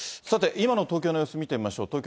さて、今の東京の様子、見てみましょう。